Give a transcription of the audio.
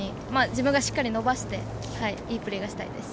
自分がしっかり伸ばして、いいプレーがしたいです。